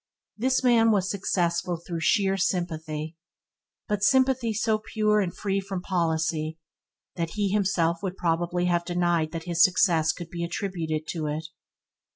This man was successful through sheer sympathy, but sympathy so pure and free from policy, that he himself would probably have denied that his success could be attributed to it.